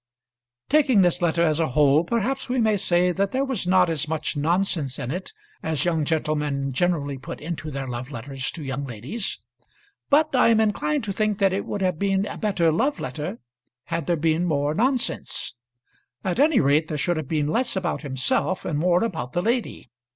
Taking this letter as a whole perhaps we may say that there was not as much nonsense in it as young gentlemen generally put into their love letters to young ladies; but I am inclined to think that it would have been a better love letter had there been more nonsense. At any rate there should have been less about himself, and more about the lady.